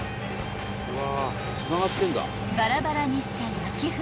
［バラバラにした焼き麩